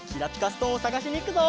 ストーンをさがしにいくぞ！